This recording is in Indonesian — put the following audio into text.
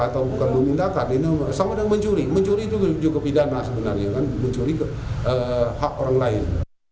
dugaan mencuri hak orang lain